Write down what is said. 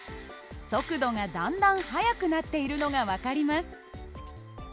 速度がだんだん速くなっているのが分かります。